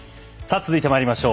続いてまいりましょう。